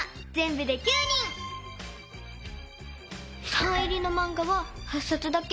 サイン入りのマンガは８さつだけ。